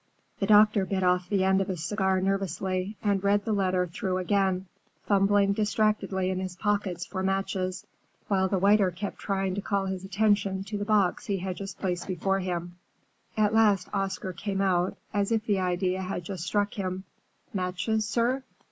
The doctor bit off the end of a cigar nervously and read the letter through again, fumbling distractedly in his pockets for matches, while the waiter kept trying to call his attention to the box he had just placed before him. At last Oscar came out, as if the idea had just struck him, "Matches, sir?"